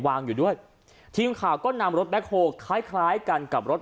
วางอยู่ด้วยทีมข่าวก็นำรถแคคโฮลคล้ายคล้ายกันกับรถ